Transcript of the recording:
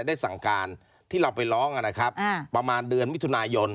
ได้สั่งการที่เราไปร้องนะครับประมาณเดือนมิถุนายน